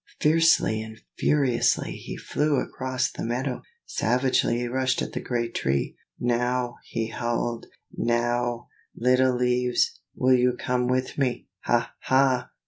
Fiercely and furiously he flew across the meadow, savagely he rushed at the great Tree. "Now," he howled, "now, little leaves, will you come with me? ha! ha!